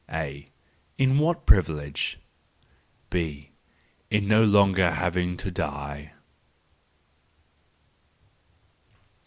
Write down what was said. A: "In what privilege?"—B: "No longer having to die."